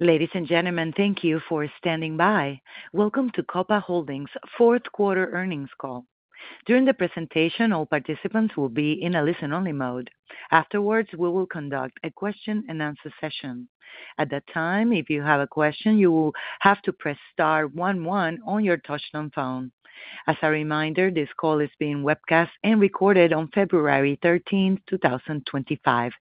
Ladies and gentlemen, thank you for standing by. Welcome to Copa Holdings' Fourth Quarter Earnings Call. During the presentation, all participants will be in a listen-only mode. Afterwards, we will conduct a question-and-answer session. At that time, if you have a question, you will have to press star 11 on your touch-tone phone. As a reminder, this call is being webcast and recorded on February 13th, 2025.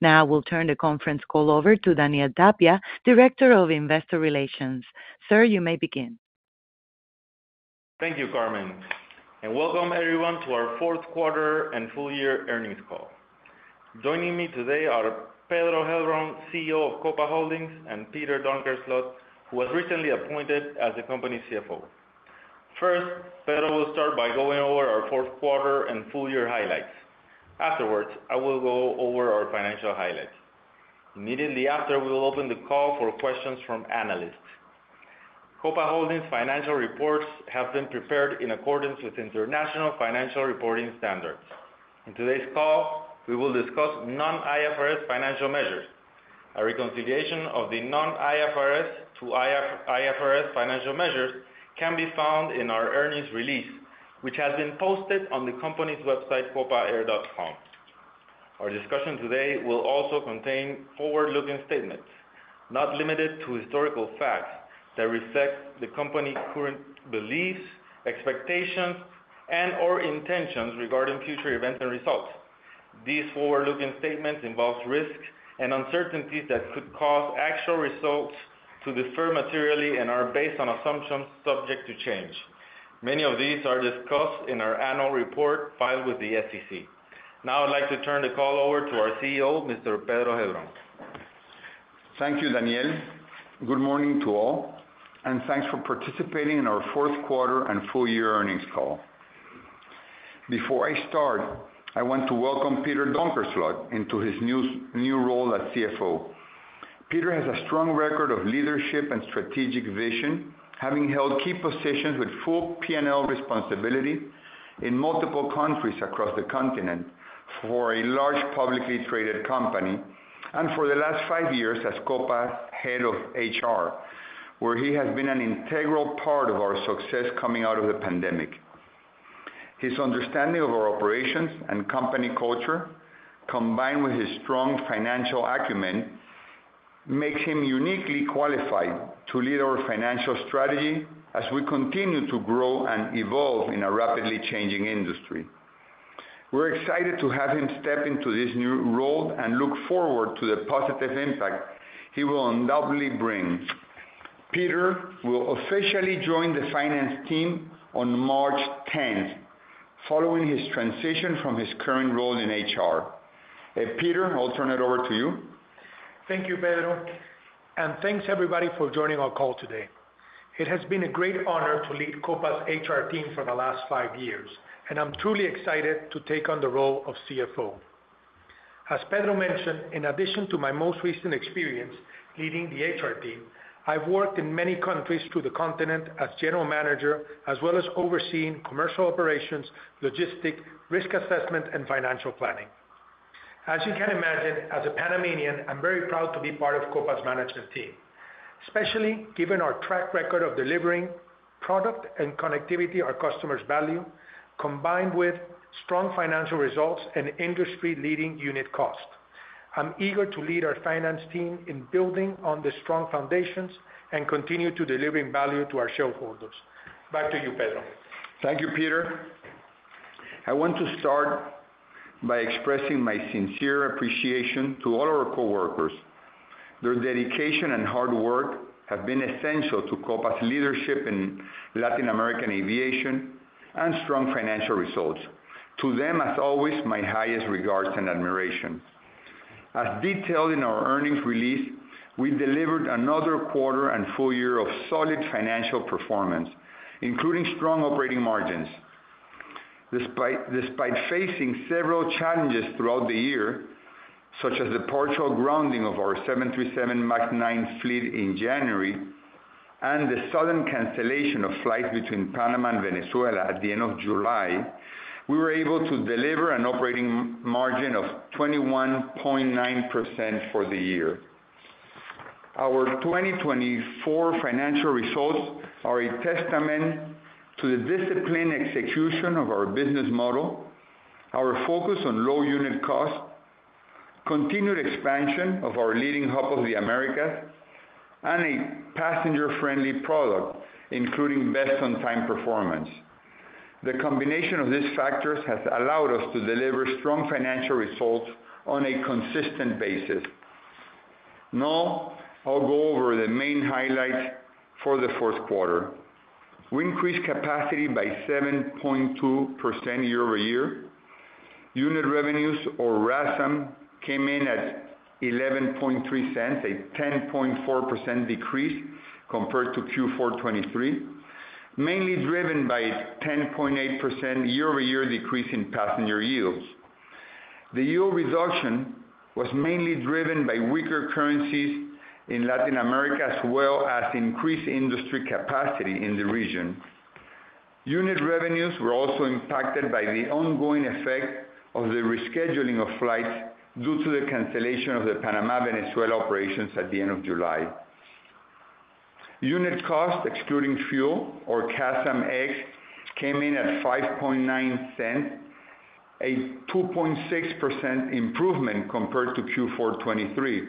Now, we'll turn the conference call over to Daniel Tapia, Director of Investor Relations. Sir, you may begin. Thank you, Carmen, and welcome everyone to our fourth quarter and full year earnings call. Joining me today are Pedro Heilbron, CEO of Copa Holdings, and Peter Donkersloot, who was recently appointed as the company CFO. First, Pedro will start by going over our fourth quarter and full year highlights. Afterwards, I will go over our financial highlights. Immediately after, we will open the call for questions from analysts. Copa Holdings' financial reports have been prepared in accordance with international financial reporting standards. In today's call, we will discuss non-IFRS financial measures. A reconciliation of the non-IFRS to IFRS financial measures can be found in our earnings release, which has been posted on the company's website, copa.com. Our discussion today will also contain forward-looking statements, not limited to historical facts that reflect the company's current beliefs, expectations, and/or intentions regarding future events and results. These forward-looking statements involve risks and uncertainties that could cause actual results to differ materially and are based on assumptions subject to change. Many of these are discussed in our annual report filed with the SEC. Now, I'd like to turn the call over to our CEO, Mr. Pedro Heilbron. Thank you, Daniel. Good morning to all, and thanks for participating in our fourth quarter and full year earnings call. Before I start, I want to welcome Peter Donkersloot into his new role as CFO. Peter has a strong record of leadership and strategic vision, having held key positions with full P&L responsibility in multiple countries across the continent for a large publicly traded company, and for the last five years as Copa Head of HR, where he has been an integral part of our success coming out of the pandemic. His understanding of our operations and company culture, combined with his strong financial acumen, makes him uniquely qualified to lead our financial strategy as we continue to grow and evolve in a rapidly changing industry. We're excited to have him step into this new role and look forward to the positive impact he will undoubtedly bring. Peter will officially join the finance team on March 10th, following his transition from his current role in HR. Peter, I'll turn it over to you. Thank you, Pedro, and thanks everybody for joining our call today. It has been a great honor to lead Copa's HR team for the last five years, and I'm truly excited to take on the role of CFO. As Pedro mentioned, in addition to my most recent experience leading the HR team, I've worked in many countries through the continent as general manager, as well as overseeing commercial operations, logistics, risk assessment, and financial planning. As you can imagine, as a Panamanian, I'm very proud to be part of Copa's management team, especially given our track record of delivering product and connectivity our customers value, combined with strong financial results and industry-leading unit cost. I'm eager to lead our finance team in building on the strong foundations and continue to deliver value to our shareholders. Back to you, Pedro. Thank you, Peter. I want to start by expressing my sincere appreciation to all our coworkers. Their dedication and hard work have been essential to Copa's leadership in Latin American aviation and strong financial results. To them, as always, my highest regards and admiration. As detailed in our earnings release, we delivered another quarter and full year of solid financial performance, including strong operating margins. Despite facing several challenges throughout the year, such as the partial grounding of our 737 MAX 9 fleet in January and the sudden cancellation of flights between Panama and Venezuela at the end of July, we were able to deliver an operating margin of 21.9% for the year. Our 2024 financial results are a testament to the disciplined execution of our business model, our focus on low unit cost, continued expansion of our leading Hub of the Americas, and a passenger-friendly product, including best on-time performance. The combination of these factors has allowed us to deliver strong financial results on a consistent basis. Now, I'll go over the main highlights for the fourth quarter. We increased capacity by 7.2% year over year. Unit revenues, or RASM, came in at $0.113, a 10.4% decrease compared to Q4 2023, mainly driven by a 10.8% year over year decrease in passenger yields. The yield reduction was mainly driven by weaker currencies in Latin America, as well as increased industry capacity in the region. Unit revenues were also impacted by the ongoing effect of the rescheduling of flights due to the cancellation of the Panama-Venezuela operations at the end of July. Unit cost, excluding fuel, or CASM ex-fuel, came in at $0.059, a 2.6% improvement compared to Q4 2023,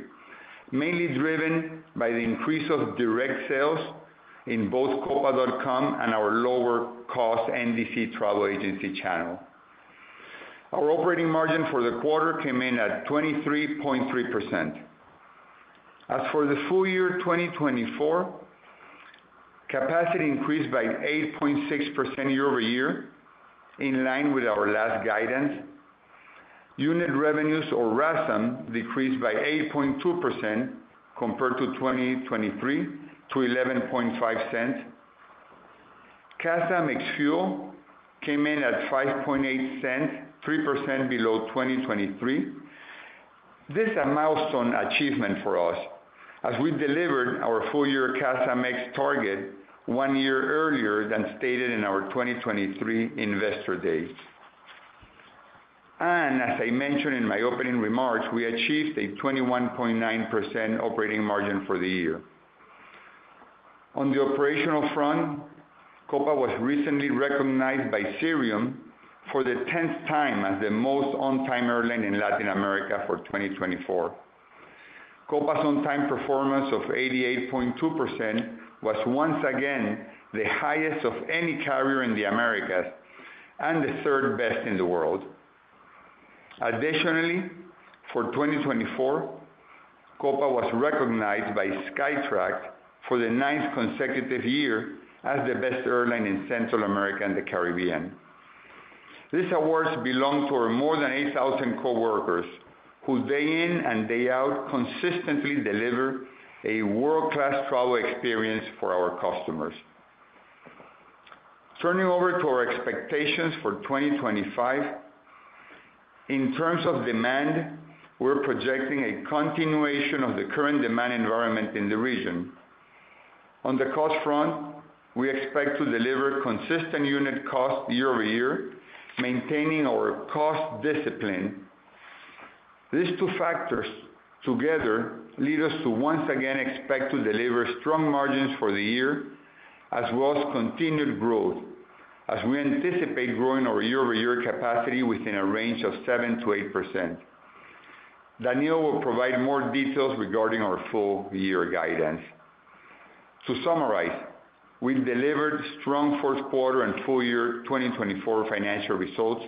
mainly driven by the increase of direct sales in both copa.com and our lower cost NDC travel agency channel. Our operating margin for the quarter came in at 23.3%. As for the full year 2024, capacity increased by 8.6% year over year, in line with our last guidance. Unit revenues, or RASM, decreased by 8.2% compared to 2023, to $0.115. CASM ex-fuel came in at $0.058, 3% below 2023. This is a milestone achievement for us, as we delivered our full year CASM ex-fuel target one year earlier than stated in our 2023 investor days. And as I mentioned in my opening remarks, we achieved a 21.9% operating margin for the year. On the operational front, Copa was recently recognized by Cirium for the 10th time as the most on-time airline in Latin America for 2024. Copa's on-time performance of 88.2% was once again the highest of any carrier in the Americas and the third best in the world. Additionally, for 2024, Copa was recognized by Skytrax for the ninth consecutive year as the best airline in Central America and the Caribbean. These awards belong to our more than 8,000 coworkers who day in and day out consistently deliver a world-class travel experience for our customers. Turning over to our expectations for 2025, in terms of demand, we're projecting a continuation of the current demand environment in the region. On the cost front, we expect to deliver consistent unit cost year over year, maintaining our cost discipline. These two factors together lead us to once again expect to deliver strong margins for the year, as well as continued growth, as we anticipate growing our year-over-year capacity within a range of 7%-8%. Daniel will provide more details regarding our full year guidance. To summarize, we delivered strong fourth quarter and full year 2024 financial results.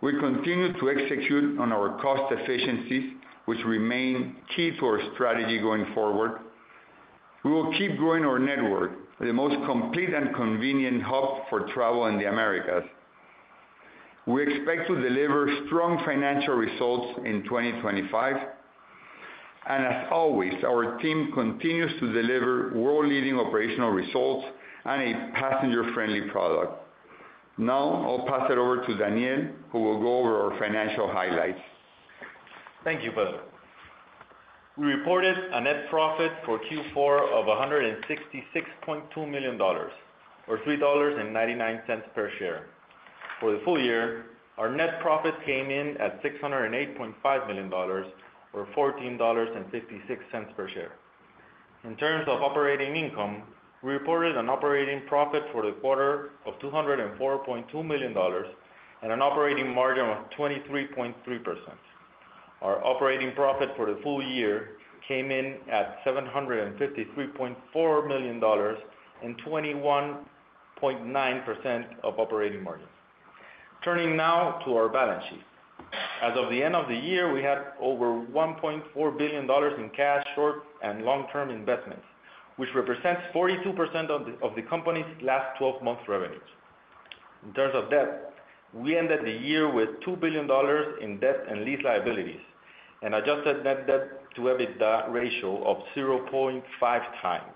We continue to execute on our cost efficiencies, which remain key to our strategy going forward. We will keep growing our network, the most complete and convenient hub for travel in the Americas. We expect to deliver strong financial results in 2025, and as always, our team continues to deliver world-leading operational results and a passenger-friendly product. Now, I'll pass it over to Daniel, who will go over our financial highlights. Thank you, Pedro. We reported a net profit for Q4 of $166.2 million, or $3.99 per share. For the full year, our net profit came in at $608.5 million, or $14.56 per share. In terms of operating income, we reported an operating profit for the quarter of $204.2 million and an operating margin of 23.3%. Our operating profit for the full year came in at $753.4 million and an operating margin of 21.9%. Turning now to our balance sheet. As of the end of the year, we had over $1.4 billion in cash, short- and long-term investments, which represents 42% of the company's last 12 months' revenues. In terms of debt, we ended the year with $2 billion in debt and lease liabilities and adjusted net debt-to-EBITDA ratio of 0.5 times.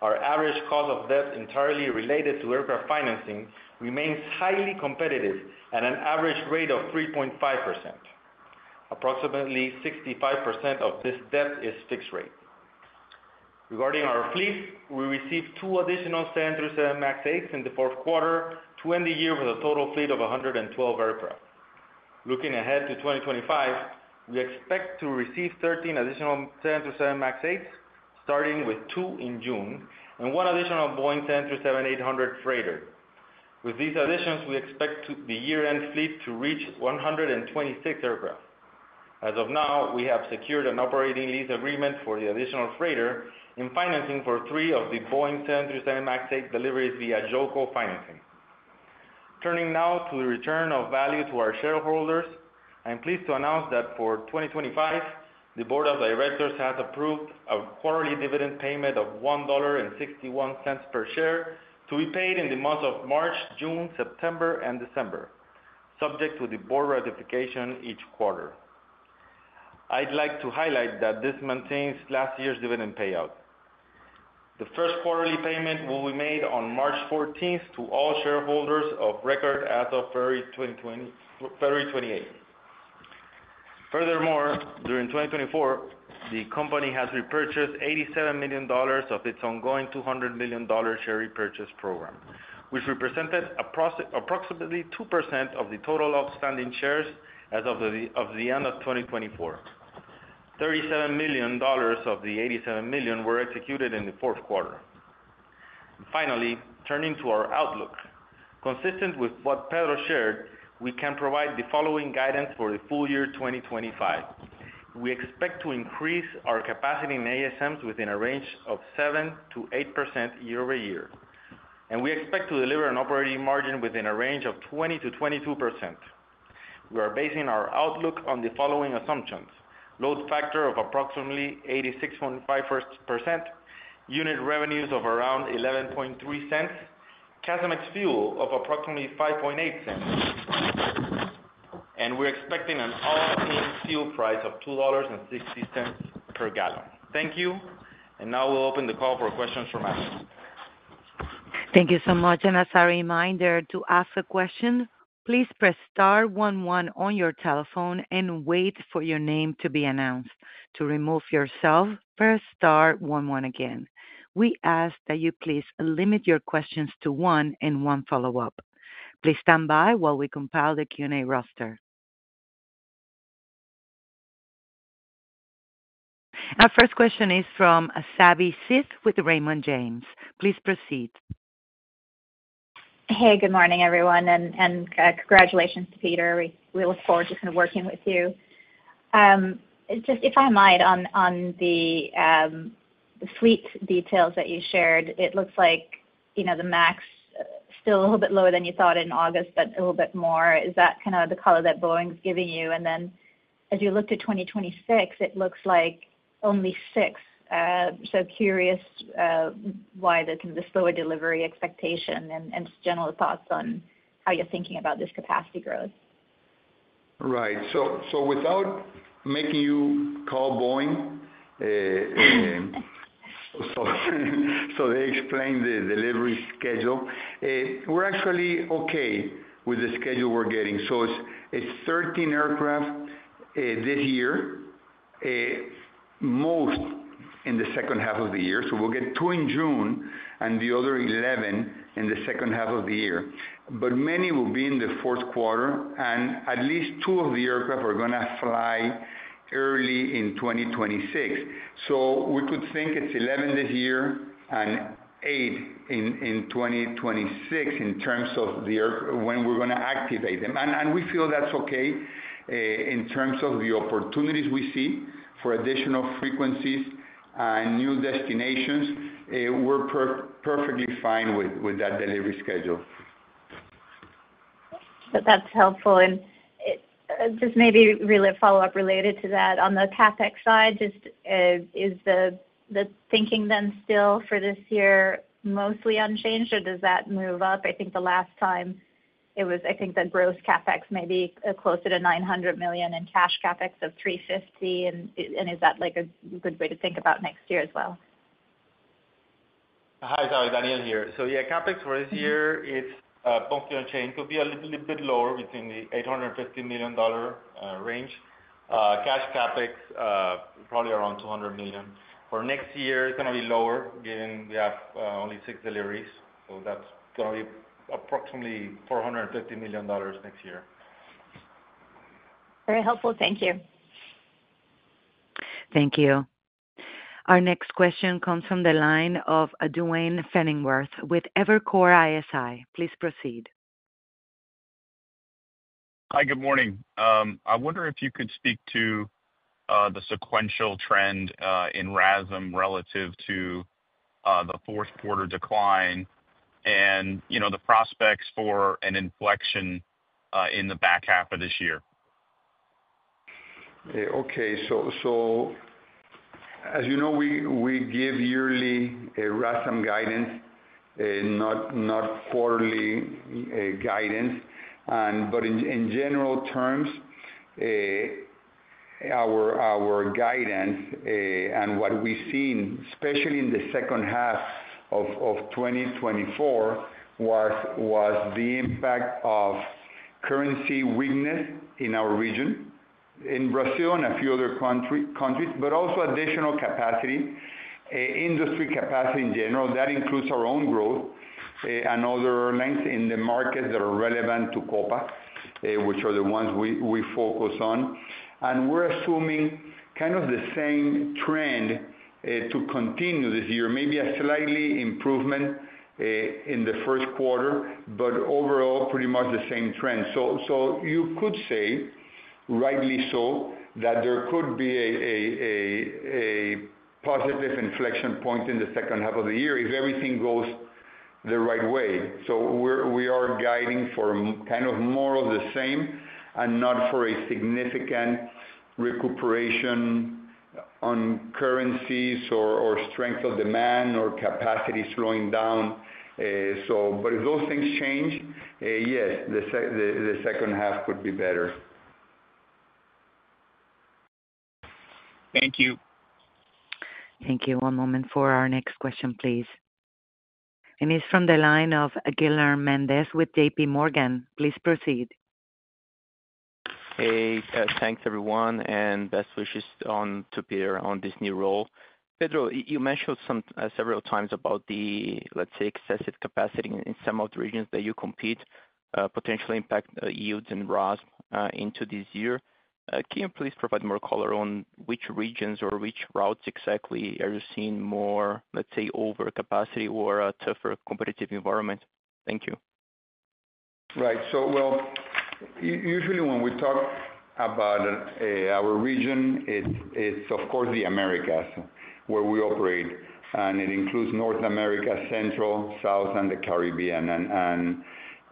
Our average cost of debt entirely related to aircraft financing remains highly competitive at an average rate of 3.5%. Approximately 65% of this debt is fixed rate. Regarding our fleet, we received two additional 737 MAX 8s in the fourth quarter, to end the year with a total fleet of 112 aircraft. Looking ahead to 2025, we expect to receive 13 additional 737 MAX 8s, starting with two in June, and one additional Boeing 737-800 freighter. With these additions, we expect the year-end fleet to reach 126 aircraft. As of now, we have secured an operating lease agreement for the additional freighter in financing for three of the Boeing 737 MAX 8 deliveries via JOLCO financing. Turning now to the return of value to our shareholders, I'm pleased to announce that for 2025, the board of directors has approved a quarterly dividend payment of $1.61 per share to be paid in the months of March, June, September, and December, subject to the board ratification each quarter. I'd like to highlight that this maintains last year's dividend payout. The first quarterly payment will be made on March 14th to all shareholders of record as of February 28th. Furthermore, during 2024, the company has repurchased $87 million of its ongoing $200 million share repurchase program, which represented approximately 2% of the total outstanding shares as of the end of 2024. $37 million of the $87 million were executed in the fourth quarter. Finally, turning to our outlook, consistent with what Pedro shared, we can provide the following guidance for the full year 2025. We expect to increase our capacity in ASMs within a range of 7%-8% year over year, and we expect to deliver an operating margin within a range of 20%-22%. We are basing our outlook on the following assumptions: load factor of approximately 86.5%, unit revenues of around $0.113, CASM ex-fuel of approximately $0.058, and we're expecting an all-in fuel price of $2.60 per gallon. Thank you, and now we'll open the call for questions from members. Thank you so much. And as a reminder, to ask a question, please press star 11 on your telephone and wait for your name to be announced. To remove yourself, press star 11 again. We ask that you please limit your questions to one and one follow-up. Please stand by while we compile the Q&A roster. Our first question is from Savi Syth with Raymond James. Please proceed. Hey, good morning, everyone, and congratulations to Peter. We look forward to working with you. Just if I might, on the fleet details that you shared, it looks like the MAX is still a little bit lower than you thought in August, but a little bit more. Is that kind of the color that Boeing's giving you? And then as you look to 2026, it looks like only six. So, curious why the slower delivery expectation and just general thoughts on how you're thinking about this capacity growth. Right. So without making you call Boeing, they explained the delivery schedule, we're actually okay with the schedule we're getting. So it's 13 aircraft this year, most in the second half of the year. So we'll get two in June and the other 11 in the second half of the year. But many will be in the fourth quarter, and at least two of the aircraft are going to fly early in 2026. So we could think it's 11 this year and 8 in 2026 in terms of when we're going to activate them. And we feel that's okay in terms of the opportunities we see for additional frequencies and new destinations. We're perfectly fine with that delivery schedule. That's helpful. And just maybe follow-up related to that. On the CapEx side, is the thinking then still for this year mostly unchanged, or does that move up? I think the last time it was, I think, that gross CapEx may be closer to $900 million and cash CapEx of $350 million. And is that a good way to think about next year as well? Hi, sorry, Daniel here. So yeah, CapEx for this year, it's up to $850 million. It could be a little bit lower within the $850 million range. Cash CapEx, probably around $200 million. For next year, it's going to be lower given we have only six deliveries. So that's going to be approximately $450 million next year. Very helpful. Thank you. Thank you. Our next question comes from the line of Duane Pfennigwerth with Evercore ISI. Please proceed. Hi, good morning. I wonder if you could speak to the sequential trend in RASM relative to the fourth quarter decline and the prospects for an inflection in the back half of this year. Okay. So as you know, we give yearly RASM guidance, not quarterly guidance. But in general terms, our guidance and what we've seen, especially in the second half of 2024, was the impact of currency weakness in our region, in Brazil and a few other countries, but also additional capacity, industry capacity in general. That includes our own growth and other links in the markets that are relevant to Copa, which are the ones we focus on. And we're assuming kind of the same trend to continue this year, maybe a slightly improvement in the first quarter, but overall, pretty much the same trend. So you could say, rightly so, that there could be a positive inflection point in the second half of the year if everything goes the right way. So we are guiding for kind of more of the same and not for a significant recuperation on currencies or strength of demand or capacity slowing down. But if those things change, yes, the second half could be better. Thank you. Thank you. One moment for our next question, please. It's from the line of Guilherme Mendes with J.P. Morgan. Please proceed. Hey, thanks, everyone, and best wishes to Peter on this new role. Pedro, you mentioned several times about the, let's say, excessive capacity in some of the regions that you compete, potentially impacting yields and RASM into this year. Can you please provide more color on which regions or which routes exactly are you seeing more, let's say, overcapacity or a tougher competitive environment? Thank you. Right. Well, usually when we talk about our region, it's, of course, the Americas where we operate. And it includes North America, Central, South, and the Caribbean. And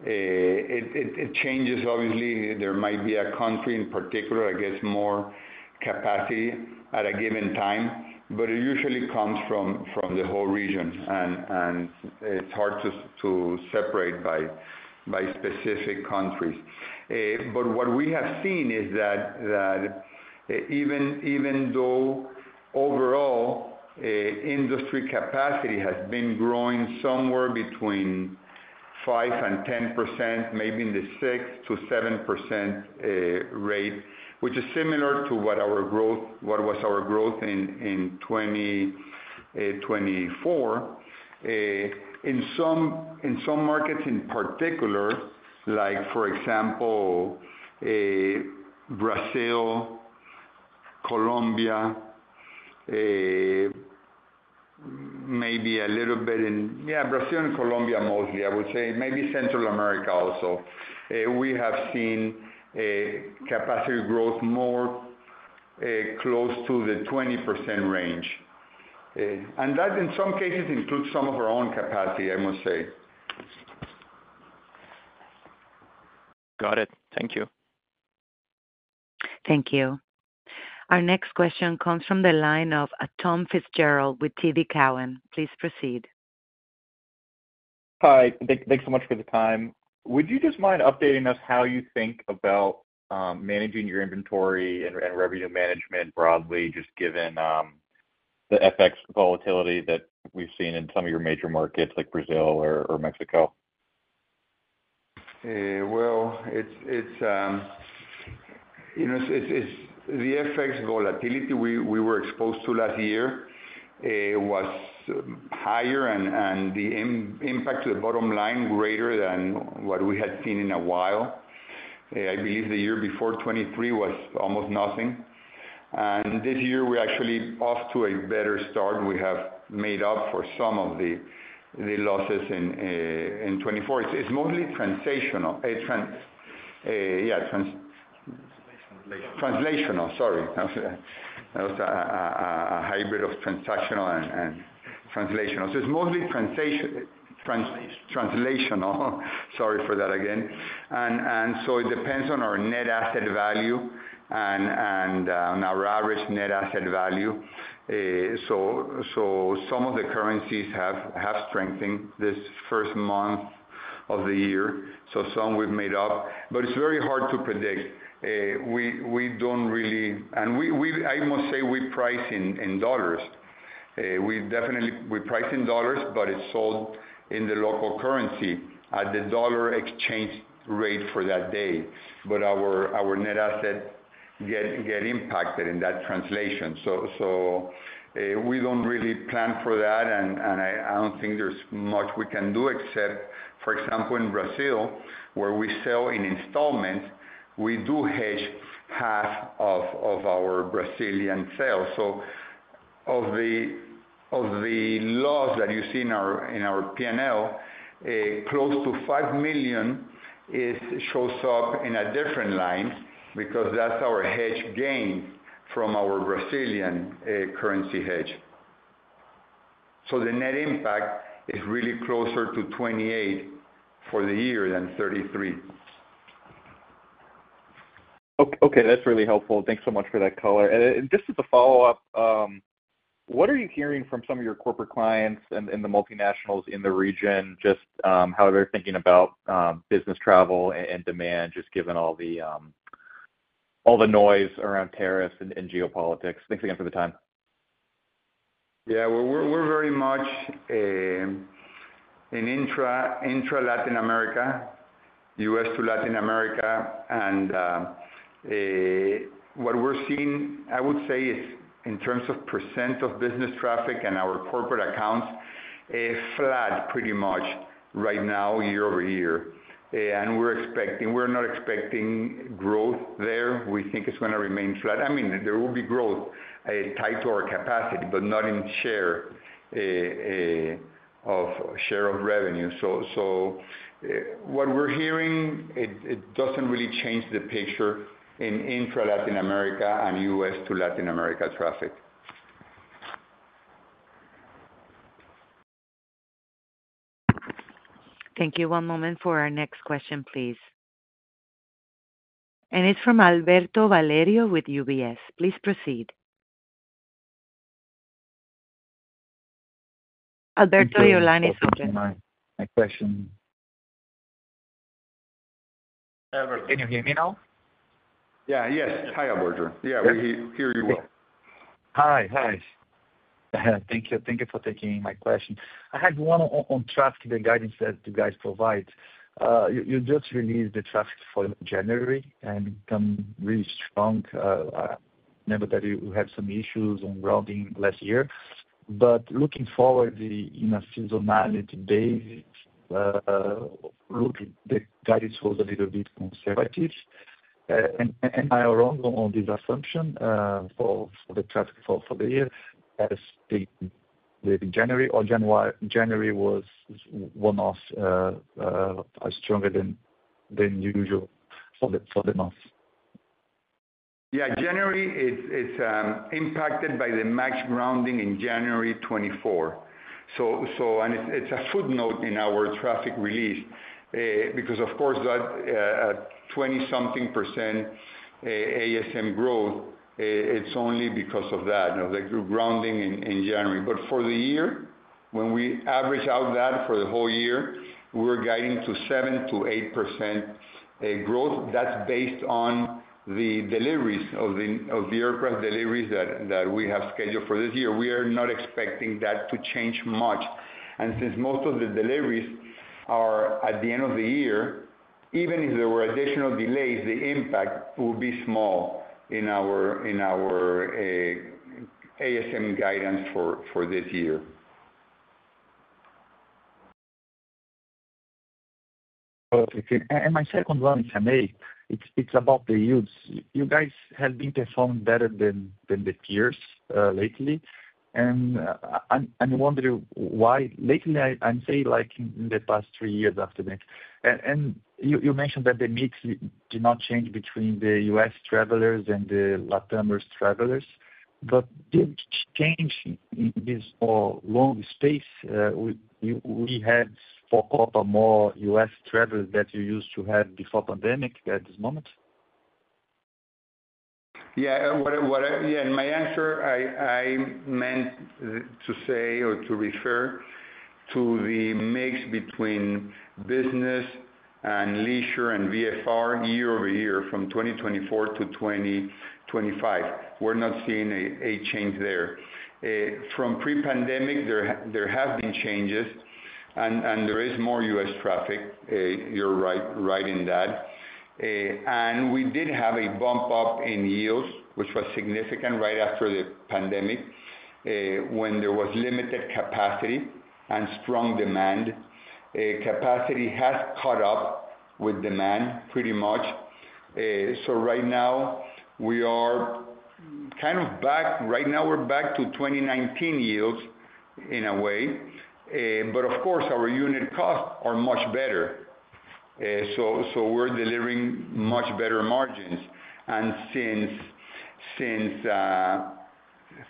it changes, obviously. There might be a country in particular that gets more capacity at a given time, but it usually comes from the whole region. And it's hard to separate by specific countries. But what we have seen is that even though overall, industry capacity has been growing somewhere between 5% and 10%, maybe in the 6% to 7% rate, which is similar to what was our growth in 2024. In some markets in particular, like for example, Brazil, Colombia, maybe a little bit in, yeah, Brazil and Colombia mostly, I would say, maybe Central America also, we have seen capacity growth more close to the 20% range. That in some cases includes some of our own capacity, I must say. Got it. Thank you. Thank you. Our next question comes from the line of Tom Fitzgerald with TD Cowen. Please proceed. Hi. Thanks so much for the time. Would you just mind updating us how you think about managing your inventory and revenue management broadly, just given the FX volatility that we've seen in some of your major markets like Brazil or Mexico? The FX volatility we were exposed to last year was higher, and the impact to the bottom line greater than what we had seen in a while. I believe the year before 2023 was almost nothing. This year, we're actually off to a better start. We have made up for some of the losses in 2024. It's mostly transitional. Yeah. Translational. Translational, sorry. That was a hybrid of transactional and translational. So it's mostly translational. Sorry for that again. And so it depends on our net asset value and our average net asset value. So some of the currencies have strengthened this first month of the year. So some we've made up. But it's very hard to predict. We don't really, and I must say we price in dollars. We definitely price in dollars, but it's sold in the local currency at the dollar exchange rate for that day. But our net assets get impacted in that translation. So we don't really plan for that. And I don't think there's much we can do except, for example, in Brazil, where we sell in installments, we do hedge half of our Brazilian sales. So of the loss that you see in our P&L, close to $5 million shows up in a different line because that's our hedge gain from our Brazilian currency hedge. So the net impact is really closer to $28 million for the year than $33 million. Okay. That's really helpful. Thanks so much for that color. And just as a follow-up, what are you hearing from some of your corporate clients and the multinationals in the region, just how they're thinking about business travel and demand, just given all the noise around tariffs and geopolitics? Thanks again for the time. Yeah. We're very much in intra-Latin America, U.S. to Latin America, and what we're seeing, I would say, is in terms of % of business traffic and our corporate accounts, flat pretty much right now year over year, and we're not expecting growth there. We think it's going to remain flat. I mean, there will be growth tied to our capacity, but not in share of revenue. So, what we're hearing doesn't really change the picture in intra-Latin America and U.S. to Latin America traffic. Thank you. One moment for our next question, please. And it's from Alberto Valerio with UBS. Please proceed, Alberto. Your line is open. My question. Can you hear me now? Yeah. Yes. Hi, Alberto. Yeah, we hear you well. Hi. Hi. Thank you. Thank you for taking my question. I had one on traffic, the guidance that you guys provide. You just released the traffic for January, and it's come really strong. I remember that you had some issues on routing last year. But looking forward, in a seasonality-based look, the guidance was a little bit conservative. And my own assumption for the traffic for the year has been that in January or January was one of stronger than usual for the month. Yeah. January is impacted by the MAX grounding in January 2024. It's a footnote in our traffic release because, of course, that 20-something% ASM growth is only because of that, the grounding in January. But for the year, when we average out that for the whole year, we're guiding to 7%-8% growth. That's based on the deliveries of the aircraft that we have scheduled for this year. We are not expecting that to change much. And since most of the deliveries are at the end of the year, even if there were additional delays, the impact will be small in our ASM guidance for this year. My second one is, it's about the yields. You guys have been performing better than the peers lately. I wonder why lately, I'm saying like in the past three years after that. You mentioned that the mix did not change between the US travelers and the LatAm travelers. But did it change in this long space? We had for Copa more US travelers than we used to have before pandemic at this moment. Yeah. Yeah. In my answer, I meant to say or to refer to the mix between business and leisure and VFR year over year from 2024 to 2025. We're not seeing a change there. From pre-pandemic, there have been changes, and there is more US traffic. You're right in that, and we did have a bump up in yields, which was significant right after the pandemic when there was limited capacity and strong demand. Capacity has caught up with demand pretty much, so right now, we are kind of back. Right now, we're back to 2019 yields in a way, but of course, our unit costs are much better, so we're delivering much better margins, and since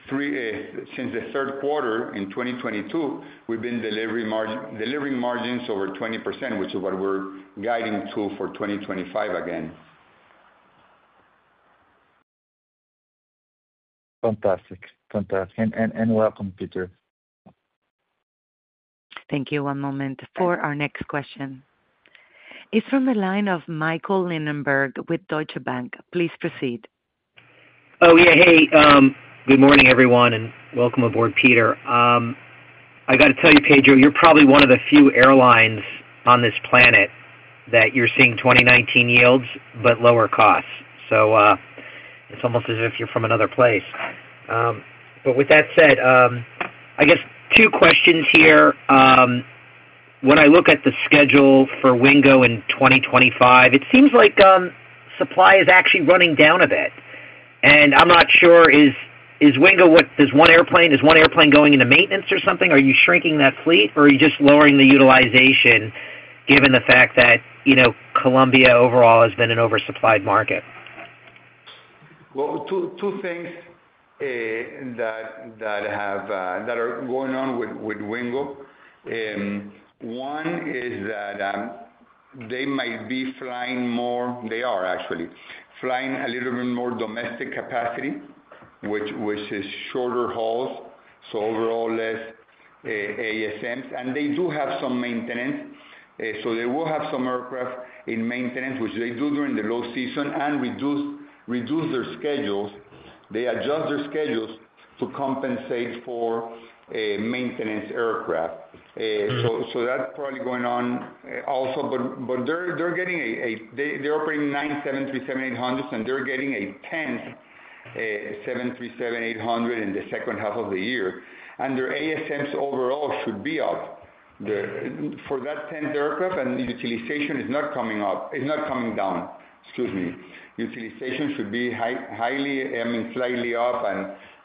the third quarter in 2022, we've been delivering margins over 20%, which is what we're guiding to for 2025 again. Fantastic. Fantastic. And welcome, Peter. Thank you. One moment for our next question. It's from the line of Michael Linenberg with Deutsche Bank. Please proceed. Oh, yeah. Hey. Good morning, everyone, and welcome aboard, Peter. I got to tell you, Pedro, you're probably one of the few airlines on this planet that you're seeing 2019 yields but lower costs. So it's almost as if you're from another place. But with that said, I guess two questions here. When I look at the schedule for Wingo in 2025, it seems like supply is actually running down a bit. And I'm not sure, is Wingo what? Does one airplane going into maintenance or something? Are you shrinking that fleet, or are you just lowering the utilization given the fact that Colombia overall has been an oversupplied market? Two things that are going on with Wingo. One is that they might be flying more. They are, actually, flying a little bit more domestic capacity, which is shorter hauls. So overall, less ASMs. And they do have some maintenance. So they will have some aircraft in maintenance, which they do during the low season and reduce their schedules. They adjust their schedules to compensate for maintenance aircraft. So that's probably going on also. But they're getting a. They're operating nine 737-800s, and they're getting a 10th 737-800 in the second half of the year. And their ASMs overall should be up. For that 10th aircraft, and utilization is not coming up. It's not coming down. Excuse me. Utilization should be highly, I mean, slightly up.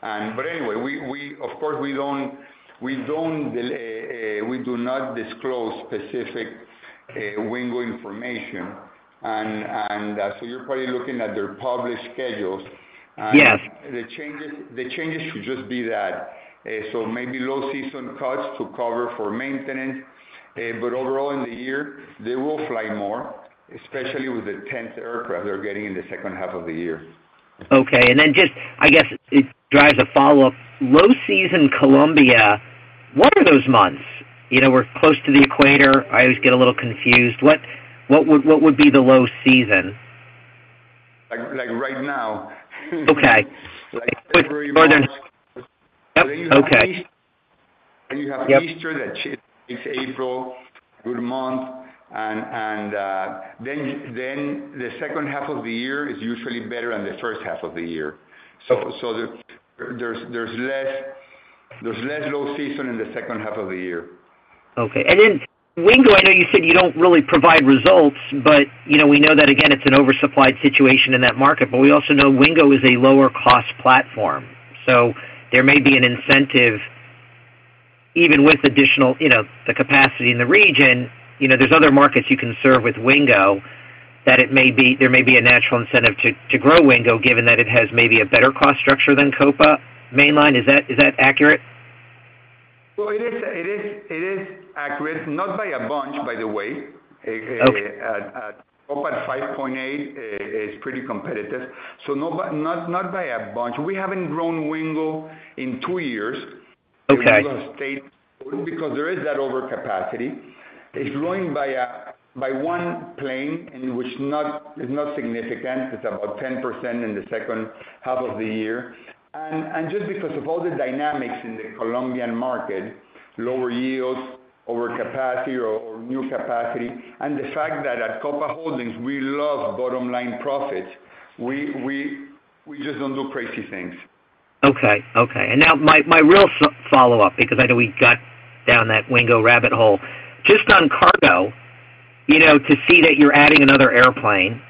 But anyway, of course, we don't. We do not disclose specific Wingo information. And so you're probably looking at their published schedules. And the changes should just be that. So maybe low season cuts to cover for maintenance. But overall, in the year, they will fly more, especially with the 10th aircraft they're getting in the second half of the year. Okay, and then just, I guess, it drives a follow-up. Low season Colombia, what are those months? We're close to the equator. I always get a little confused. What would be the low season? Like right now? Okay. Yep. Okay. You have Easter that takes April, a good month. The second half of the year is usually better than the first half of the year. There's less low season in the second half of the year. Okay. And then Wingo, I know you said you don't really provide results, but we know that, again, it's an oversupplied situation in that market. But we also know Wingo is a lower-cost platform. So there may be an incentive even with additional capacity in the region. There's other markets you can serve with Wingo that there may be a natural incentive to grow Wingo given that it has maybe a better cost structure than Copa Mainline. Is that accurate? Well, it is accurate. Not by a bunch, by the way. Copa at 5.8 is pretty competitive, so not by a bunch. We haven't grown Wingo in two years. Wingo's state because there is that overcapacity. It's growing by one plane, which is not significant. It's about 10% in the second half of the year, and just because of all the dynamics in the Colombian market, lower yields, overcapacity, or new capacity, and the fact that at Copa Holdings, we love bottom-line profits. We just don't do crazy things. Okay. And now my real follow-up, because I know we got down that Wingo rabbit hole. Just on cargo, to see that you're adding another airplane,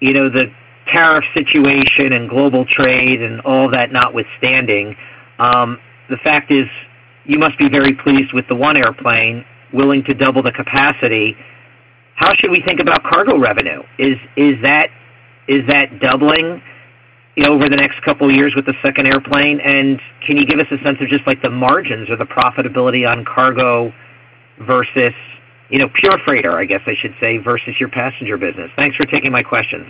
the tariff situation and global trade and all that notwithstanding, the fact is you must be very pleased with the one airplane willing to double the capacity. How should we think about cargo revenue? Is that doubling over the next couple of years with the second airplane? And can you give us a sense of just the margins or the profitability on cargo versus pure freighter, I guess I should say, versus your passenger business? Thanks for taking my questions.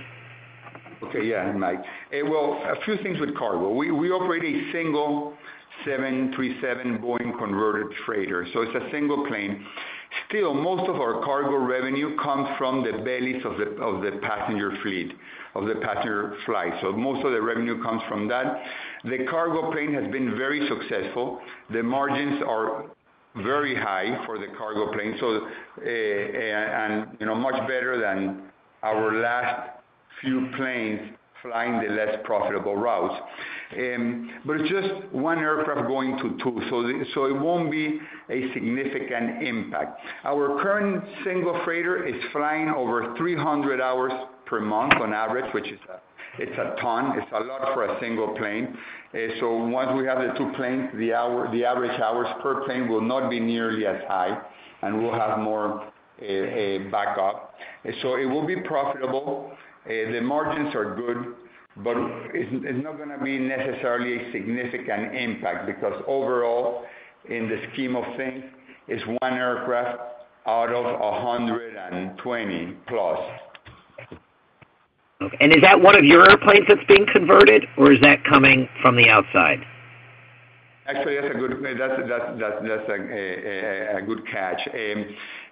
Okay. Yeah. And Mike, well, a few things with cargo. We operate a single Boeing 737 converted freighter. So it's a single plane. Still, most of our cargo revenue comes from the bellies of the passenger fleet, of the passenger flight. So most of the revenue comes from that. The cargo plane has been very successful. The margins are very high for the cargo plane, and much better than our last few planes flying the less profitable routes, but it's just one aircraft going to two, so it won't be a significant impact. Our current single freighter is flying over 300 hours per month on average, which is a ton. It's a lot for a single plane, so once we have the two planes, the average hours per plane will not be nearly as high, and we'll have more backup, so it will be profitable. The margins are good, but it's not going to be necessarily a significant impact because overall, in the scheme of things, it's one aircraft out of 120 plus. Is that one of your airplanes that's being converted, or is that coming from the outside? Actually, that's a good question. That's a good catch.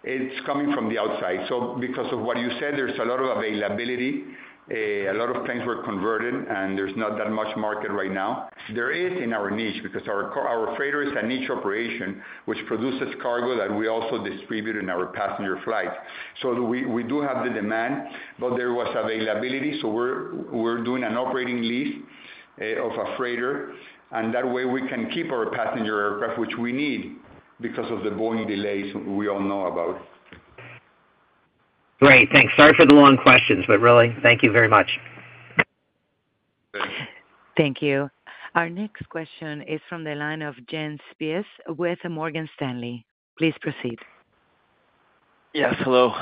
It's coming from the outside. So because of what you said, there's a lot of availability. A lot of planes were converted, and there's not that much market right now. There is in our niche because our freighter is a niche operation, which produces cargo that we also distribute in our passenger flights. So we do have the demand, but there was availability. So we're doing an operating lease of a freighter. And that way, we can keep our passenger aircraft, which we need because of the Boeing delays we all know about. Great. Thanks. Sorry for the long questions, but really, thank you very much. Thanks. Thank you. Our next question is from the line of Jens Spiess with Morgan Stanley. Please proceed. Yes. Hello.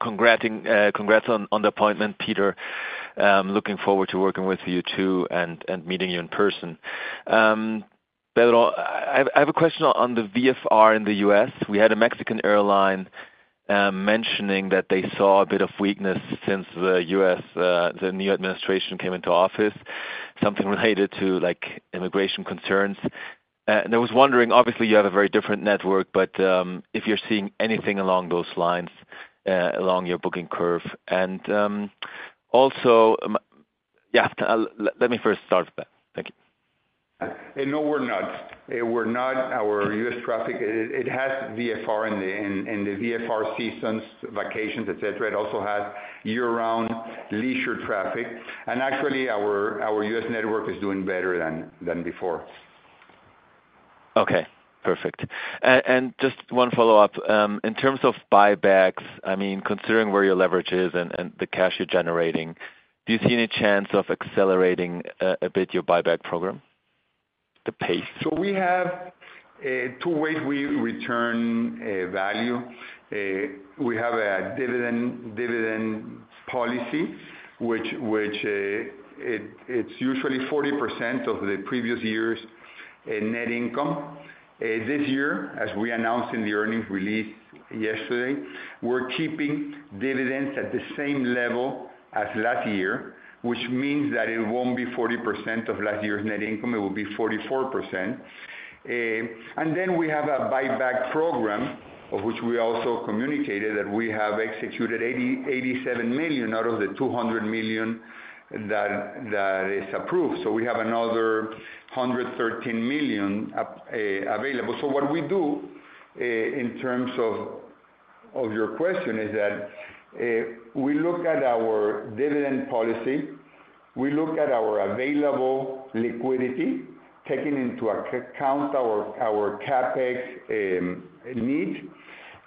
Congrats on the appointment, Peter. Looking forward to working with you too and meeting you in person. Pedro, I have a question on the VFR in the U.S. We had a Mexican airline mentioning that they saw a bit of weakness since the U.S., the new administration came into office, something related to immigration concerns, and I was wondering, obviously, you have a very different network, but if you're seeing anything along those lines along your booking curve, and also, yeah, let me first start with that. Thank you. No, we're not. We're not. Our U.S. traffic, it has VFR in the VFR seasons, vacations, etc. It also has year-round leisure traffic and actually, our U.S. network is doing better than before. Okay. Perfect. And just one follow-up. In terms of buybacks, I mean, considering where your leverage is and the cash you're generating, do you see any chance of accelerating a bit your buyback program? The pace. We have two ways we return value. We have a dividend policy, which it's usually 40% of the previous year's net income. This year, as we announced in the earnings release yesterday, we're keeping dividends at the same level as last year, which means that it won't be 40% of last year's net income. It will be 44%. And then we have a buyback program, which we also communicated that we have executed $87 million out of the $200 million that is approved. So we have another $113 million available. So what we do in terms of your question is that we look at our dividend policy. We look at our available liquidity, taking into account our CapEx needs.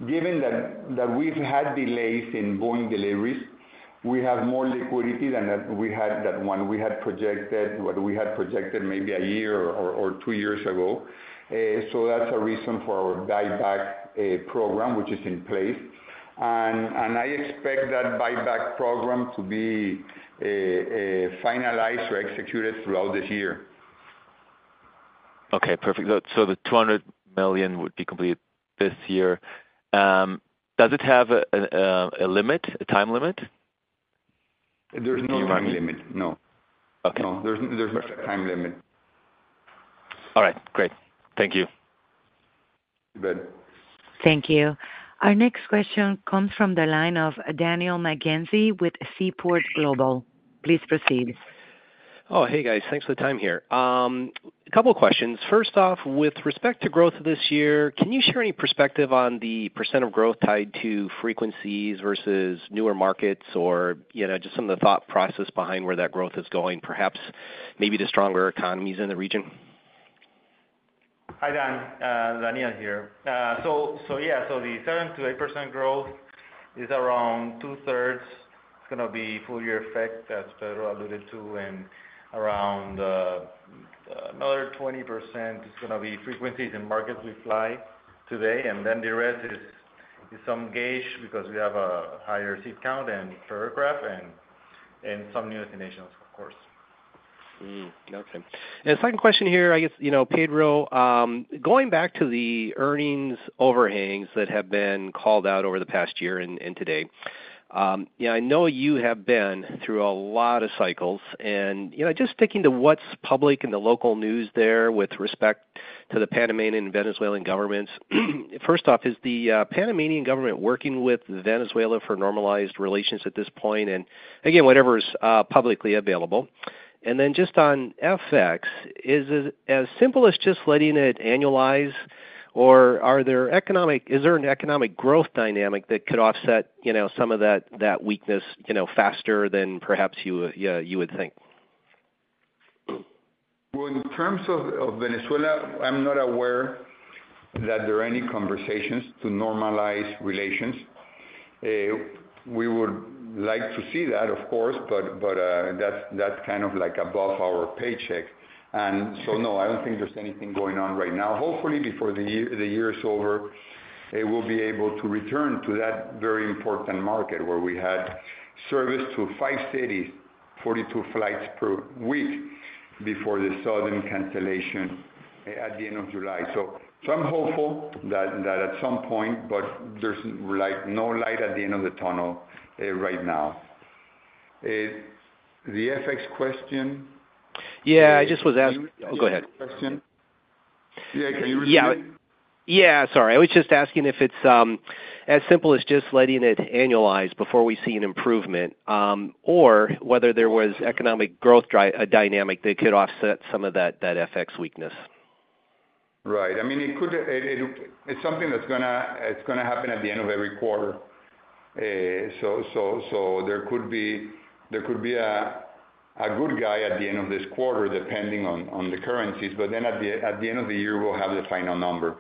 Given that we've had delays in Boeing deliveries, we have more liquidity than we had that one. We had projected what we had projected maybe a year or two years ago. So that's a reason for our buyback program, which is in place. And I expect that buyback program to be finalized or executed throughout this year. Okay. Perfect. So the $200 million would be completed this year. Does it have a limit, a time limit? There's no time limit. No. There's no time limit. All right. Great. Thank you. You bet. Thank you. Our next question comes from the line of Daniel McKenzie with Seaport Global. Please proceed. Oh, hey, guys. Thanks for the time here. A couple of questions. First off, with respect to growth this year, can you share any perspective on the % of growth tied to frequencies versus newer markets or just some of the thought process behind where that growth is going, perhaps maybe to stronger economies in the region? Hi, Dan. Daniel here. So yeah, so the 7-8% growth is around two-thirds. It's going to be full-year effect, as Pedro alluded to, and around another 20% is going to be frequencies and markets we fly today. And then the rest is some gauge because we have a higher seat count and aircraft and some new destinations, of course. Okay. And second question here, I guess, Pedro, going back to the earnings overhangs that have been called out over the past year and today, I know you have been through a lot of cycles. And just sticking to what's public in the local news there with respect to the Panamanian and Venezuelan governments, first off, is the Panamanian government working with Venezuela for normalized relations at this point? And again, whatever's publicly available. And then just on FX, is it as simple as just letting it annualize, or is there an economic growth dynamic that could offset some of that weakness faster than perhaps you would think? Well, in terms of Venezuela, I'm not aware that there are any conversations to normalize relations. We would like to see that, of course, but that's kind of like above our paycheck. And so no, I don't think there's anything going on right now. Hopefully, before the year is over, we'll be able to return to that very important market where we had service to five cities, 42 flights per week before the sudden cancellation at the end of July. So I'm hopeful that at some point, but there's no light at the end of the tunnel right now. The FX question? Yeah. I just was asking. Oh, go ahead. Can you repeat the question? Yeah. Can you repeat it? Yeah. Sorry. I was just asking if it's as simple as just letting it annualize before we see an improvement or whether there was economic growth dynamic that could offset some of that FX weakness? Right. I mean, it's something that's going to happen at the end of every quarter. So there could be a good guy at the end of this quarter, depending on the currencies. But then at the end of the year, we'll have the final number.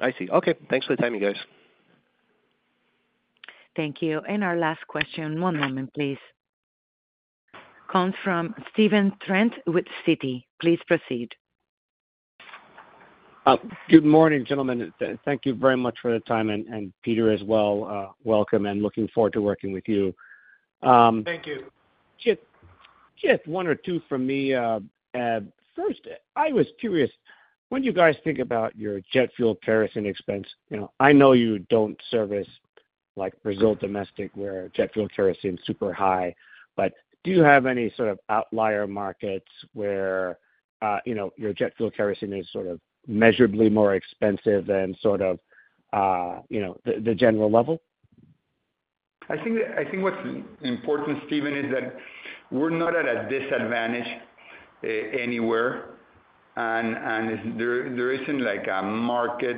I see. Okay. Thanks for the time, you guys. Thank you. And our last question. One moment, please. Comes from Stephen Trent with Citi. Please proceed. Good morning, gentlemen. Thank you very much for the time, and Peter, as well. Welcome and looking forward to working with you. Thank you. Just one or two from me. First, I was curious, when you guys think about your jet fuel kerosene expense, I know you don't service Brazil domestic where jet fuel kerosene is super high, but do you have any sort of outlier markets where your jet fuel kerosene is sort of measurably more expensive than sort of the general level? I think what's important, Stephen, is that we're not at a disadvantage anywhere, and there isn't a market.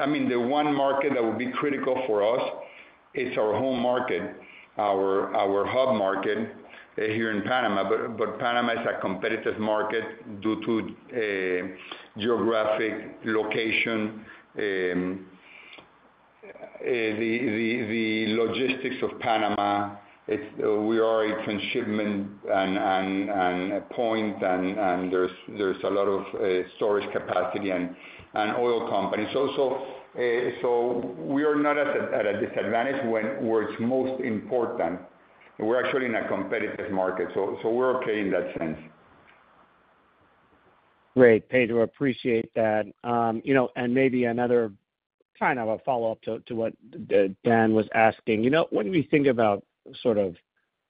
I mean, the one market that would be critical for us is our home market, our hub market here in Panama, but Panama is a competitive market due to geographic location, the logistics of Panama. We are a consumer point, and there's a lot of storage capacity and oil companies, so we are not at a disadvantage where it's most important. We're actually in a competitive market, so we're okay in that sense. Great. Pedro, appreciate that. And maybe another kind of a follow-up to what Dan was asking. When we think about sort of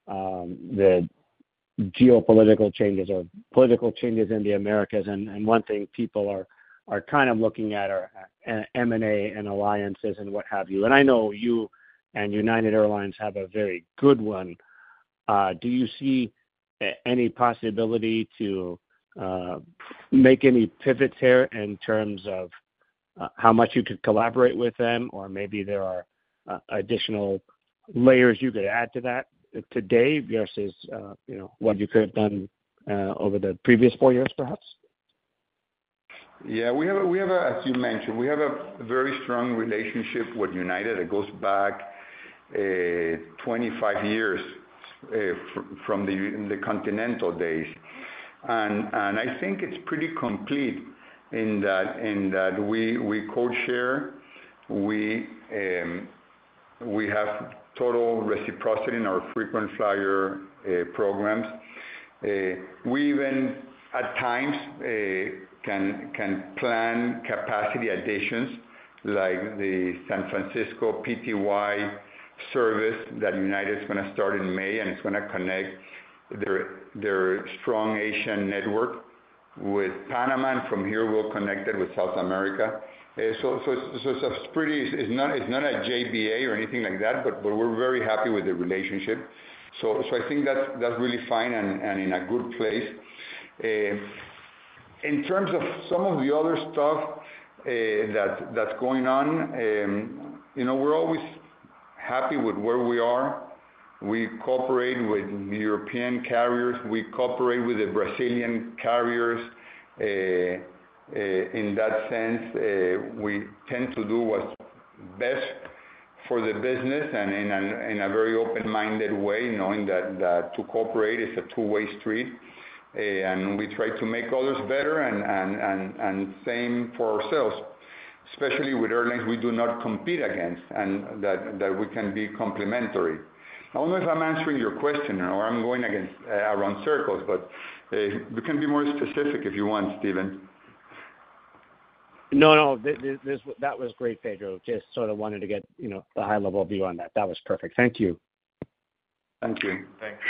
the geopolitical changes or political changes in the Americas, and one thing people are kind of looking at are M&A and alliances and what have you. And I know you and United Airlines have a very good one. Do you see any possibility to make any pivots here in terms of how much you could collaborate with them, or maybe there are additional layers you could add to that today versus what you could have done over the previous four years, perhaps? Yeah. As you mentioned, we have a very strong relationship with United. It goes back 25 years from the Continental days. And I think it's pretty complete in that we codeshare. We have total reciprocity in our frequent flyer programs. We even, at times, can plan capacity additions like the San Francisco PTY service that United is going to start in May, and it's going to connect their strong Asian network with Panama. And from here, we'll connect it with South America. So it's not a JBA or anything like that, but we're very happy with the relationship. So I think that's really fine and in a good place. In terms of some of the other stuff that's going on, we're always happy with where we are. We cooperate with European carriers. We cooperate with the Brazilian carriers. In that sense, we tend to do what's best for the business and in a very open-minded way, knowing that to cooperate is a two-way street. And we try to make others better and same for ourselves, especially with airlines we do not compete against and that we can be complementary. I don't know if I'm answering your question or I'm going around circles, but you can be more specific if you want, Steven. No, no. That was great, Pedro. Just sort of wanted to get the high-level view on that. That was perfect. Thank you. Thank you. Thanks.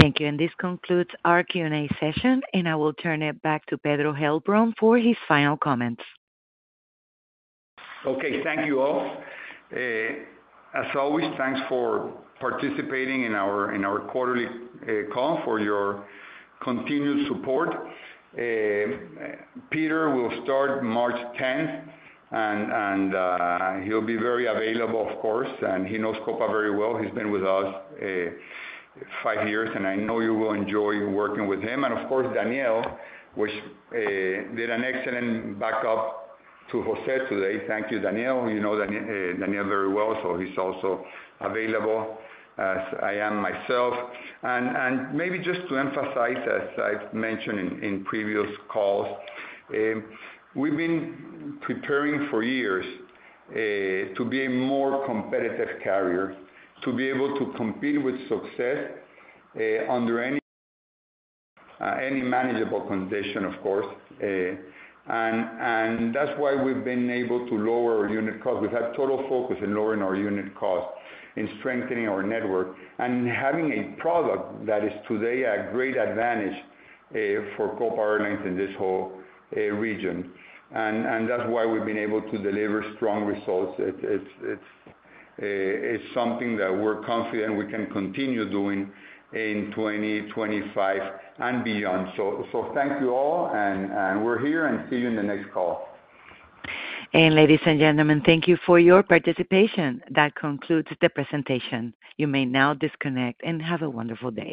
Thank you. And this concludes our Q&A session, and I will turn it back to Pedro Heilbron for his final comments. Okay. Thank you all. As always, thanks for participating in our quarterly call for your continued support. Peter will start March 10th, and he'll be very available, of course. He knows Copa very well. He's been with us five years, and I know you will enjoy working with him. Of course, Daniel, who did an excellent backup to José today. Thank you, Daniel. You know Daniel very well, so he's also available as I am myself. Maybe just to emphasize, as I've mentioned in previous calls, we've been preparing for years to be a more competitive carrier, to be able to compete with success under any manageable condition, of course. That's why we've been able to lower our unit cost. We've had total focus in lowering our unit cost and strengthening our network and having a product that is today a great advantage for Copa Airlines in this whole region, and that's why we've been able to deliver strong results. It's something that we're confident we can continue doing in 2025 and beyond, so thank you all, and we're here, and see you in the next call. And ladies and gentlemen, thank you for your participation. That concludes the presentation. You may now disconnect and have a wonderful day.